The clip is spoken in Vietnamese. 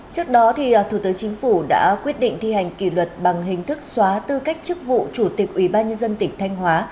trước đó thủ tướng chính phủ đã quyết định thi hành kỷ luật bằng hình thức xóa tư cách chức vụ chủ tịch ủy ban nhân dân tỉnh thanh hóa